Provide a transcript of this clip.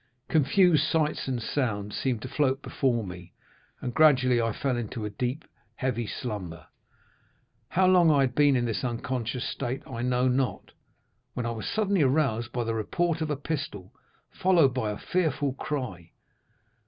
Confused sights and sounds seemed to float before me, and gradually I fell into a deep, heavy slumber. How long I had been in this unconscious state I know not, when I was suddenly aroused by the report of a pistol, followed by a fearful cry.